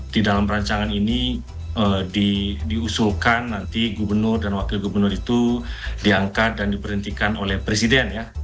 di dalam perancangan ini diusulkan nanti gubernur dan wakil gubernur itu diangkat dan diberhentikan oleh presiden ya